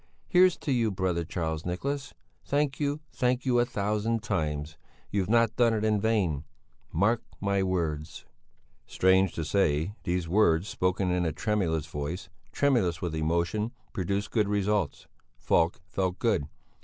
Here's to you, brother Charles Nicholas! Thank you, thank you a thousand times! You've not done it in vain! Mark my words!" Strange to say, these words, spoken in a tremulous voice tremulous with emotion produced good results. Falk felt good.